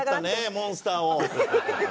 モンスターを。